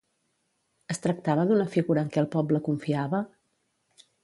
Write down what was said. Es tractava d'una figura en què el poble confiava?